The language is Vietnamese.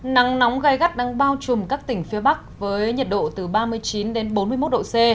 nắng nóng gai gắt đang bao trùm các tỉnh phía bắc với nhiệt độ từ ba mươi chín đến bốn mươi một độ c